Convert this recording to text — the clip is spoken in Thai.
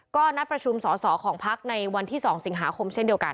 ก็นัดประชุมส่อของพักธรรมศาสตร์ในวันที่๒สิงหาคมเช่นเดียวกัน